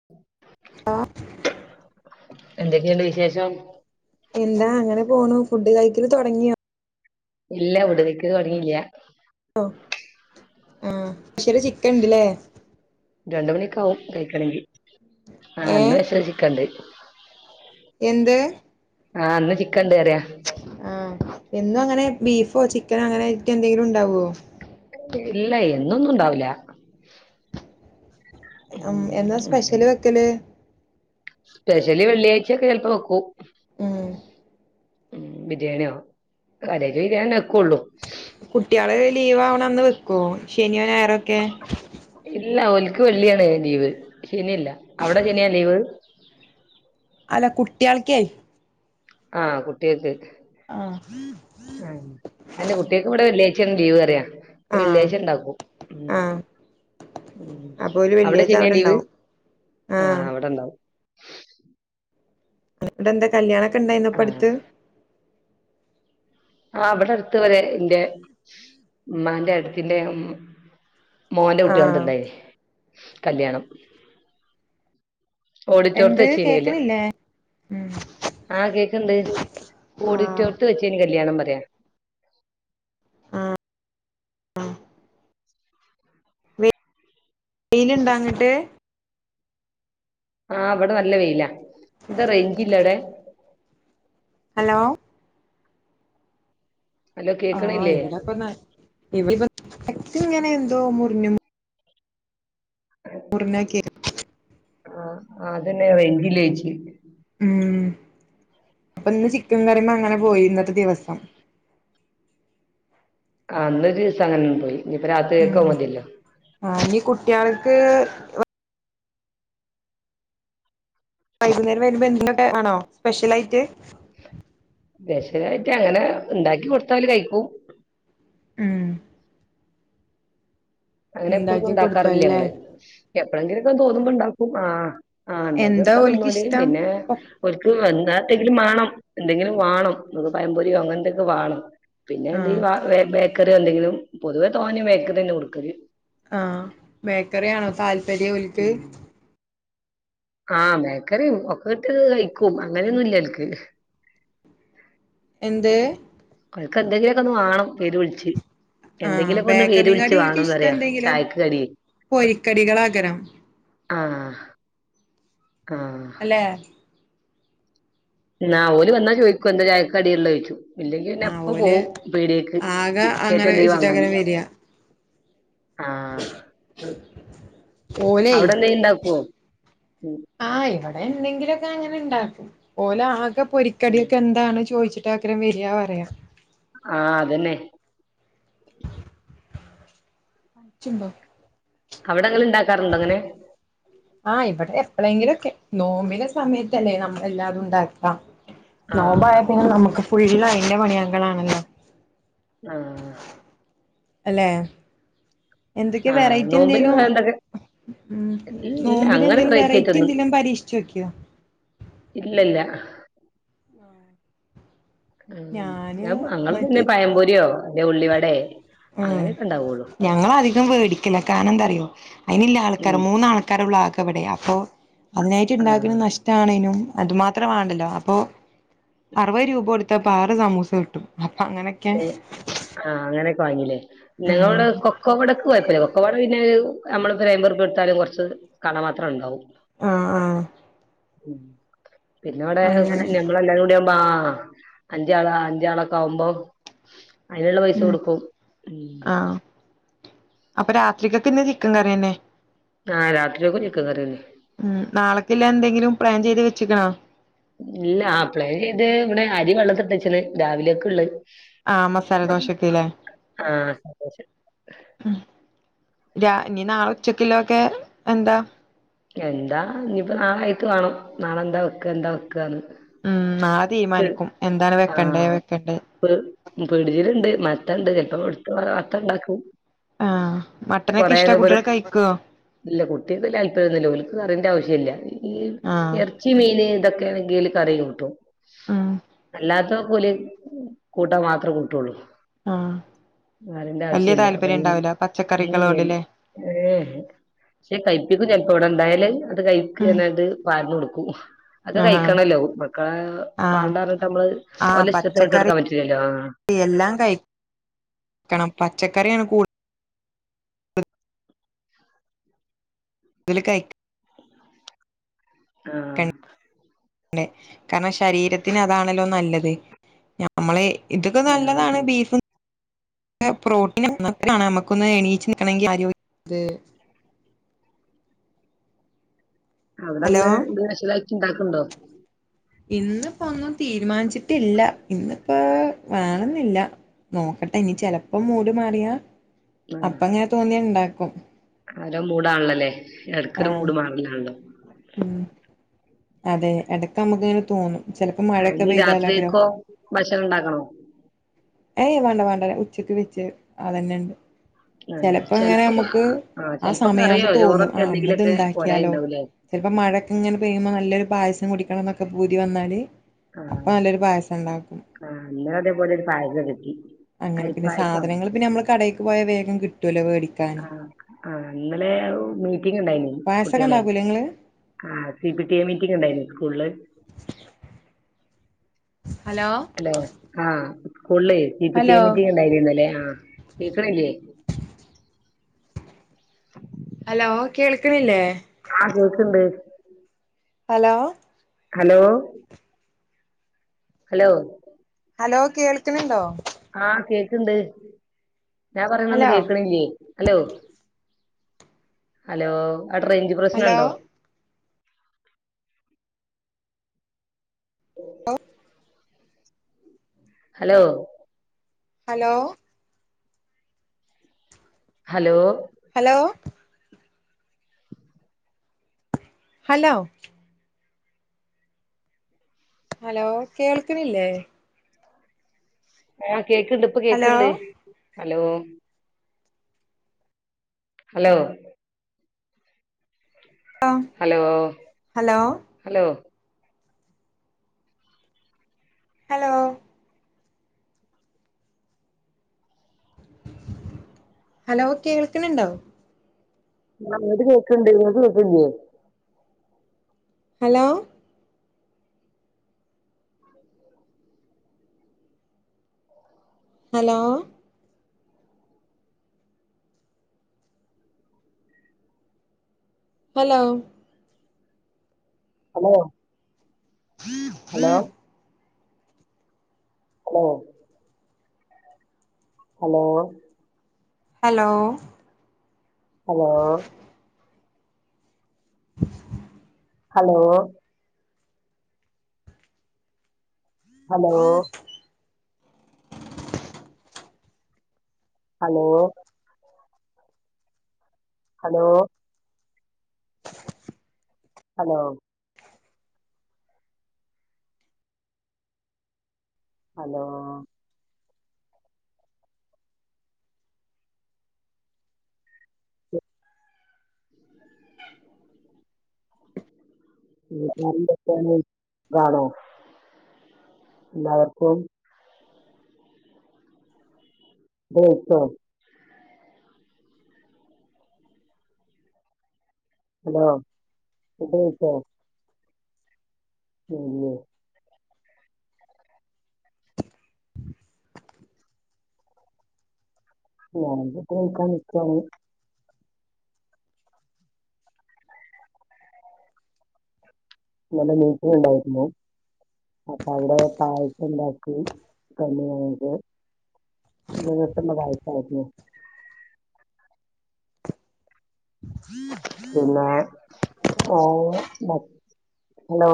[inaudible] [unintelligible] എന്തൊക്കെണ്ട് വിശേഷം. എന്താ അങ്ങനെ പോണു ഫുഡ് കഴിക്കല് തുടങ്ങിയോ? ഇല്ലാ ഫുഡ് കഴിക്കൽ തുടങ്ങിയില്ല്യ ഓ ആഹ് ഉച്ചയ്ക്ക് ചിക്കൻണ്ട്ലെ രണ്ട് മണിക്കാവും കഴിക്കണങ്കി ആഹ് അന്ന് ഏഹ് വിസ്ര ചിക്കണ്ട്. എന്ത് ആഹ് ഇന്ന് ചിക്കണ്ട്അറിയ ആഹ് എന്നും അങ്ങനെ ബീഫോ ചിക്കനോ അങ്ങനായ്റ്റ് എന്തെങ്കിലും ണ്ടാവോ? ഇല്ല എന്നൊന്നും ഇണ്ടാവുല്ല. ഉം എന്ന സ്പെഷ്യല് വെക്കല്. സ്പെഷ്യല് വെള്ളിയാഴ്ചയൊക്കെ ചെൽപ്പോ വെക്കൂ. ഉം ഉം ബിരിയാണ്യോ കാര്യായിട്ട് ബിരിയാണിന്നെക്കൂള്ളു. കുട്ട്യേളെ ലീവ് ആവണന്ന് വെക്കോ ശനിയോ ഞായറൊക്കെ ഇല്ല ഓല്ക്ക് വെള്ളിയാണ് ലീവ് ശനിയില്ല അവിടെ ശനിയാ ലീവ്. അല്ല കുട്ടികൾക്കേ? ആഹ് കുട്ട്യേക്ക്. ആഹ് അന്റെ കുട്ട്യേക്ക് ഇവിടെ വെള്ളിയാഴ്ച ആണ് ലിവ് അറിയ ആഹ് വെള്ളിയാഴ്ച ണ്ടാക്കും. ആഹ് ഉം അപ്പൊ ഓല് അവിടെ വെള്ളിയാഴ്ച ശനിയ ലീവ് ഇണ്ടാവും ആഹ് വടെണ്ടാവും. അടെ എന്താ കല്യാണൊക്കെ ഉണ്ടായിനൊ പ്പ ആ അടുത്ത്. ആഹ് വടെ അടുത്ത് വരെ ഇന്റെ ഉമ്മാന്റെ ഏട്ത്തിന്റെ ഉം മോന്റെ കുട്ടികൾത് ആഹ് ണ്ടായിന് കല്യാണം. ഓഡിറ്റോറത്ത് എന്ത് വെച്ചേഞ് കല്യാ കേക്കണില്ലേ? ഉം ആഹ് കേക്ണ്ട്. ആഹ് ഓഡിറ്റോറിയം ത് വെച്ചേഞ് കല്യാണം പറയാം. വെയില്ണ്ടോ അങ്ങട്ട് ആഹ് വിടെ നല്ല വെയില എന്താ റേഞ്ച് ഇല്ല വ്ടെ ഹലോ ഹലോ ആഹ് കേക്കണില്ലേ ഇവിടെപ്പന്ന് ഇ ഇങ്ങനെ എന്തോ മുറിഞ്ഞമു [unintelligible] ആഹ് അതന്നെ വങ്കിലേച്ചി ഉം അപ്പൊ ഇന്ന് ചിക്കൻ കറിമ്മെ അങ്ങനെ പോയി ഇന്നത്തെ ദിവസം ആഹ് ന്നൊരീസം അങ്ങനെൻ പോയി ഇനിയിപ്പോ രാത്രിയേക് അഹ് ഉം മതിയല്ലോ ആഹ് ഇനി കുട്ട്യേൾക്ക് വൈകുന്നേരം വരുമ്പോ [unintelligible] ആണോ സ്പെഷ്യലായിട്ട് സ്പെഷലായിട്ട് അങ്ങനെ ഉണ്ടാക്കി കൊടുത്ത ഓല് കഴിക്കൂ ഉം അങ്ങനെ എപ്പളൊന്നും ഉണ്ടാക്കി ഉണ്ടാക്കാറില്ല കൊടുത്താലല്ലേ ഞങ്ങള് എപ്പളങ്കിലുംക്കെ തോന്നുമ്പോ ഉണ്ടാക്കും ആഹ് ആഹ് ഉണ്ടാക്കി എന്താ ഓൽക്ക് കൊടുത്താതിന്നോല് ഇഷ്ടം പിന്നെ ഓൽക്ക് വന്നാത്തെങ്കിലും മാണം എന്തെങ്കിലും വാണം നമുക്ക് പയംപൊരിയൊ അങ്ങനെ എന്തൊക്കെ വാണം പിന്നെ എന്ത്യേ ആഹ് വാ ബേക്കറി എന്തെങ്കിലും പൊതുവെ തോനെ ബേക്കറിന്നെ കൊടുക്കല് ആഹ് ബേക്കറി ആണോ താല്പര്യം ഓൽക്ക് ഉം ആഹ് ബേക്കറിയും ഒക്ക കിട്ടിയാത് കഴിക്കും അങ്ങനൊന്നുംല്ല ഓൽക്ക് എന്തേ ഓൽക്ക് എന്തെങ്കിലുമൊക്കെ ഒന്ന് വേണം പേര് വിളിച്ച് ആഹ് എന്തെങ്കിലുമൊക്കെ ഒന്ന് പേര് ബേക്കറിയും വിളിച്ചു കാട്ടി ഓൽക്ക് വേണംന്ന് ഇഷ്ടം പറയാ എന്തെങ്കിലും ചായക്ക് കടിയെയ് പൊരിക്കടികളാകരം ആഹ് ആഹ് അല്ലേ നാ ഓല് വന്നാ ചോദിക്കും എന്താ ചായക്ക് കടിള്ളേ ചോയ്ക്കും ഇല്ലെങ്കിപിന്നെ ആഹ് എപ്പ ഓല് പോവും പീടേക്ക് ആകെ ബിസ്കറ്റ് അങ്ങനെ എന്തെലും വാങ്ങാന് വെച്ചിട്ടങ്ങനെ വരിക ആഹ് ഓലേ അവിടെന്തേലുംണ്ടാക്കോ ആഹ് ഇവിടെ എന്തെങ്കിലും ഒക്കെ അങ്ങനെണ്ടാക്കും ഓല് ആകെ പൊരി ഉം കടിയൊക്കെ എന്താണ് ചോദിച്ചിട്ട് അക്കാരം വരാ പറയാ ആഹ് അതന്നെ ഉം ച്ച്ണ്ടോ അവിടെങ്ങള്ണ്ടാക്കാറ്ണ്ടോ ങ്ങല് ആഹ് ഇവിടെ എപ്പളങ്കിലൊക്കെ നോമ്പിന്റെ സമയത്തല്ലേ നമ്മളെല്ലാതുംണ്ടാക്കാ ആഹ് നോമ്പായപ്പൊ നമ്മക്ക് ഫുള്ള് അയ്ന്റെ പണിയാങ്കളാണല്ലോ ആഹ് അല്ലേ എന്തൊക്കെ ആഹ് വെറൈറ്റി നോമ്പിന് എന്തേലും വേണ്ടൊക്കെ ഉം ഇല്ല അങ്ങനെ നോമ്പിനെന്തേലും വെറൈറ്റി ആയിട്ടൊന്നും എന്തെലും പരീക്ഷിച്ചു നോക്കിയോ ഇല്ലല്ല ആഹ് ഞാന് ഞാൻ അങ്ങൾ പിന്നെ മറ്റേ പയംപൊരിയോ ഉള്ളിവടേ ഉം അങ്ങനെയൊക്കെ ഇണ്ടാവുള്ളു ഞങ്ങളധികം വേടിക്കല കാരണംന്താ അറിയോ അയിന്ല്ല ആൾക്കാര ഉം മൂന്നാൾക്കാരാ ക്കാരൊള്ളു ആകെവിടെ അപ്പൊ അതിനായിട്ട് ഉണ്ടാക്കുന്ന ആഹ് നഷ് ടാണേനും അത് മാത്ര വാണ്ടല്ലോ അപ്പോ അറുപത് രൂപോടു ത്താപ്പ ആറ് സമൂസ കിട്ടും അപ്പൊ അങ്ങനെയൊക്കെ ഏ ആഹ് അങ്ങനെയൊക്കെ വാങ്ങില്ലേ ഞങ്ങളവടെ കൊക്കോവടക്ക് കൊഴപ്പമില്ല കൊക്കവട പിന്നെ ഒരു നമ്മള് പ്പൊ ഒരയ്മ്പുർപ്യ കൊടുത്താലും കൊർച്ച് കാണാമാത്രണ്ടാവും ആഹ് ആഹ് ഉം പിന്നെ ഇവിടെ അങ്ങനെ ഞമ്മളെല്ലാരും കൂടി ആവുമ്പോ ആഹ് അഞ്ചാളാ അഞ്ചാളൊക്കെ ആകുമ്പോ അതിനുള്ള പൈസ ഉം കൊടുക്കും ഉം ആഹ് അപ്പൊ രാത്രിക്കക്ക് ഇന്ന് ചിക്കൻ കറിയന്നെ ആഹ് രാത്രിക്കും ചിക്കൻ കറിയന്നെ ഉം നാളെക്ക്ല്ല എന്തെങ്കിലും പ്ലാൻ ചെയ്ത് വെച്ചക്ക്ണോ? ഇല്ല ആ പ്ലാൻ ചെയ്ത് ഇവിടെ അരി വെള്ളത്തിട്ടച്ചണ് രാവിലേക്ക്‌ള്ളത്. ആഹ് മസാല ദോശക്ക്ലേ? ആഹ് ഉം രാ ഇനി നാള ഉച്ചക്കിലോക്കെ എന്താ? എന്താ ഇനിപ്പോ നാളായിട്ട് വേണം നാളെന്താ വെക്ക എന്താ വെക്കാന്ന്. ഉം നാളെ തീരുമാനിക്കും എന്താണ് വെക്കണ്ടേ വെക്കണ്ടേ ഫ്ര പിട്ജില്ണ്ട് മട്ടണ്ട് ചെലപ്പോ എടുത്ത് മട്ടണ്ടാക്കും ആഹ് മട്ടനൊക്കെ ഇഷ്ടാ കുട്ടികൾ കഴിക്കോ? ഇല്ല കുട്ട്യാക്ക് വല്ല്യ താൽപര്യന്നുല്ല ഓൽക്ക് കറിന്റാവിശ്യല്ല ഈ ആഹ് എറച്ചി, മീന്, ഇതൊക്കെയാണെങ്കില് കറി കൂട്ടും ഉം അല്ലാത്തെ ഒക്കോല് കൂട്ടാ മാത്രേ കൂട്ടൊള്ളൂ. ആഹ് വല്യ കറിന്റാവിശ്യല്ല താല്പര്യം അപ്പയിന് ഉണ്ടാവൂല മിനി പച്ചക്കറികളോട്ല്ലേ പക്ഷെ കഴിപ്പിക്കും ചെലപ്പോ ഇവടെണ്ടായാല് ആട്ട് കഴ ചോറ്മ്മക്ക് ഉം ഇങ്ങനാണ്ട് പാർന്നു കൊടുക്കും അതൊക്കെ ആഹ് കഴിക്കണല്ലോ ഇപ്പക്കാ ആഹ് വാണ്ടർഞ്ഞിട്ട് നമ്മള് ആഹ് ഓലേ ഇഷ്ടത്തിന് വിട്ട് പച്ചക്കറി കൊടുക്കാൻ പറ്റില്ലല്ലോ ആഹ് എല്ലാം കഴിക്കണം പച്ചക്കറിയാണ് കൂ ടുതല് കഴിക്ക് ആഹ് ണ്ടെ കാരണം ശരീരത്തിന് അതാണല്ലോ നല്ലത്. നമ്മളെ ഇതൊക്കെ ആഹ് നല്ലതാണ് ആഹ് ബീഫും, ഒക്കെ പ്രോട്ടീനാണ് നല്ലതാണ് നമ്മക്കൊന്ന് എണീച്ച് നിക്കണെങ്കി ആരോഗ്യം ഹലോ അവിടെന്ന് എന്തേ സ്പെഷലാക്കി ഇണ്ടാക്ക്ണ്ടോ? ഇന്നിപ്പൊന്നും തീരുമാനിച്ചിട്ടില്ല ഇന്നിപ്പോ വേണന്നില്ല. നോക്കട്ടെ ഇനി ചെലപ്പോ മൂട് മാറിയാ ആഹ് അപ്പങ്ങനെ തോന്നിയാ ഇണ്ടാക്കും. ഓരോ മൂടാണല്ലോ ല്ലേ എടക്കൊരു ആഹ് മൂട് മാറലാണല്ലോ. ഉം അതെ എടക്ക് നന്മക്ക്ങ്ങനെ തോന്നും ചെലപ്പോ മഴക്കെ പെയ്താലേക്കാരം ഭക്ഷണണ്ടാക്കണോ? ഏയ് വാണ്ട വാണ്ട ഉച്ചയ്ക്ക് വെച്ച് അതന്നെണ്ട് ആ ചെലപ്പോ ഇങ്ങനെ ക- നമ്മക്ക് ആ ചെലപ്പോ സമയവുമ്പോ കറിയോ തോന്നും ചോറൊക്കെ ആ ഇന്ന്ത് എന്തെങ്കിലുമൊക്കെ ഇണ്ടാക്കിയാലോ? പോരായിണ്ടാവൂലേ ചെലപ്പോ മഴൊക്കെങ്ങനെ പെയ്യുമ്പോ നല്ലൊരു പായസം കുടിക്കണം എന്നൊക്കെ പൂതി വന്നാല്.. ആ അപ്പൊ നല്ലൊരു പായസണ്ടാക്കും. ആ ഇന്ന അതേപോലൊരു പായസം വെക്കി അങ്ങനെ പിന്നെ സാധനങ്ങള് പിന്നെ നമ്മള് കടേക്ക് പോയ വേഗം കിട്ടുവല്ലോ വേടി ആഹ് ആഹ് ഇന്നലെ മീറ്റിംഗണ്ടായിനി പായസൊക്കെ കുട്ടിയളെ.. ഇണ്ടാക്കൂലേ ഇങ്ങള് ആഹ് സി പി ടി എ മീറ്റിംങ്ങ്ണ്ടായിരുന്നു സ്കൂളില്. ഹലോ ഹലോ ആഹ് സ്കൂള്ലെ C. P. T. Hello A മീറ്റിംഗ്ണ്ടായിനി ഇന്നല്ലേ ആഹ് കേക്ക്ണില്ലേ? ഹലോ കേൾക്ക്ണില്ലേ? ആഹ് കേക്ക്ണ്ട് ഹലോ ഹലോ ഹലോ ഹലോ കേൾക്ക്ണ് ണ്ടോ? ആഹ് കേക്ക്ണ്ട് ഞാൻ പറിണാണ്ട് ഹലോ കേക്ക്ണില്ലേ? ഹലോ ഹലോ അവിടെ റെയ്ഞ്ച് ഹലോ പ്രശ്നണ്ടോ? Hello hello hello hello hello hello hello കേൾക്ക്ണ്ല്ലേ? ആഹ് കേക്ക്ണ്ട് ഇപ്പ ഹലോ കേക്ക്ണ്ട് hello hello hello hello hello hello hello കേൾക്ക്ണ് ണ്ടോ ആഹ് ഇങ്ങട്ട് കേക്ക്ണ്ട് ഇങ്ങക്ക് കേക്ക്ൺല്യേ hello hello hello hello hello hello hello hello hello hello hello hello hello hello hello ഇല്ലക്ന്നാണിം ഇൻ്റത്താണിം കാണോ എല്ലാവർക്കും ഇങ്ങള്ട്ത്തോ ഹലോ ഫുഡ്‌ കഴിച്ചോ ഇല്ലേ ഞാന്പ്പം കഴിക്കാൻ നിക്കാണ് ഇന്നലെ മീറ്റിങ്ങ്ണ്ടായിര്ന്നു അപ്പ അവ്ടെ പായസംണ്ടാക്കി തന്നു ഞങ്ങക്ക് നീട്ടല്ലെ പായസായിര്ന്നു പിന്നെ ഓഹ് മ ഹലോ